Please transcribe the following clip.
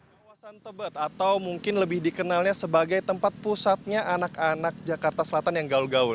kawasan tebet atau mungkin lebih dikenalnya sebagai tempat pusatnya anak anak jakarta selatan yang gaul gaul